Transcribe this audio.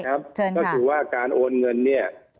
ก็คือว่าการโอนเงินเนี่ย